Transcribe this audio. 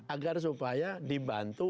agar supaya dibantu